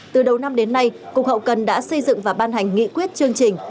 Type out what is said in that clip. từ đầu năm đến nay cục hậu cần đã xây dựng và ban hành nghị quyết chương trình